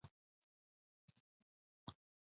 دوی د مبادلې لپاره تولید کوي نه د مصرف.